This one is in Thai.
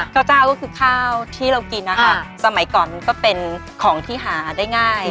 เจ้าก็คือข้าวที่เรากินนะคะสมัยก่อนมันก็เป็นของที่หาได้ง่าย